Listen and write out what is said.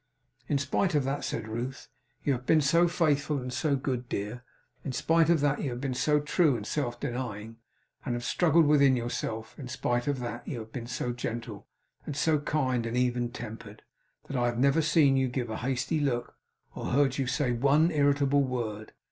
'In spite of that,' said Ruth, 'you have been so faithful and so good, dear; in spite of that, you have been so true and self denying, and have struggled with yourself; in spite of that, you have been so gentle, and so kind, and even tempered, that I have never seen you give a hasty look, or heard you say one irritable word.